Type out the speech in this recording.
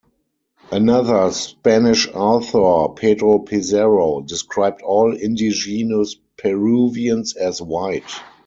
Another Spanish author, Pedro Pizarro, described all indigenous Peruvians as white.